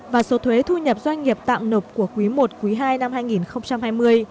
và số thuế thu nhập doanh nghiệp tạm nộp của quý i quý ii năm hai nghìn hai mươi